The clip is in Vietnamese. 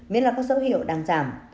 miễn là các dấu hiệu đang giảm